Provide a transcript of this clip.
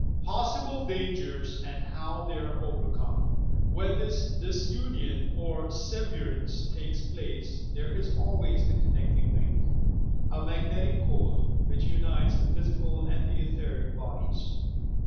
POSSIBLE DANGERS AND HOW THEY ABB OVERCOME When this disunion or severance takes place, there is always a connecting link, a "magnetic cord," which unites the physical and the etheric bodies.